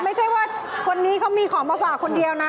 ไม่ใช่ว่าคนนี้เขามีของมาฝากคนเดียวนะ